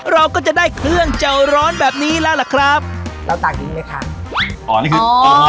เราก็จะได้เครื่องเจาะร้อนแบบนี้แล้วล่ะครับเราตากินไหมค่ะอ๋อ